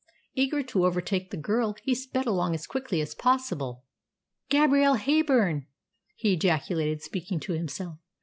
Eager to overtake the girl, he sped along as quickly as possible. "Gabrielle Heyburn!" he ejaculated, speaking to himself.